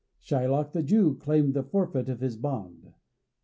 Shylock the Jew claimed the forfeit of his bond.